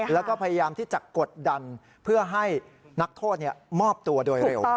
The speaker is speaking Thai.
แล้วก็พยายามที่จะกดดันเพื่อให้นักโทษมอบตัวโดยเร็ว